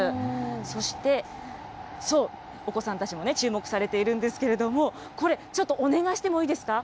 そして、そう、お子さんたちもね、注目されているんですけれども、これ、ちょっとお願いしてもいいですか。